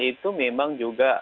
itu memang juga